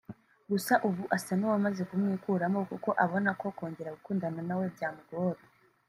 gusa ubu asa n’uwamaze kumwikuramo kuko abona ko kongera gukundana nawe byamugora